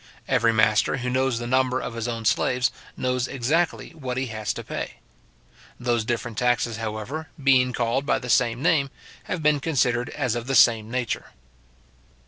Every master, who knows the number of his own slaves, knows exactly what he has to pay. Those different taxes, however, being called by the same name, have been considered as of the same nature.